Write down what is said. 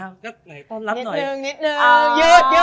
นิดนึงยืด